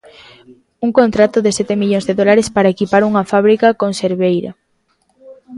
Un contrato de sete millóns de dólares para equipar unha fábrica conserveira.